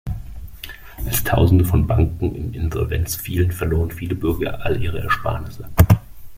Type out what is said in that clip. Als Tausende von Banken in Insolvenz fielen, verloren viele Bürger all ihre Ersparnisse.